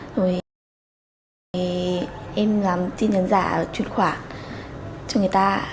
rồi em làm tin nhắn giả chuyển khoản cho người ta